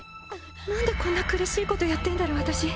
何でこんな苦しいことやってんだろ私。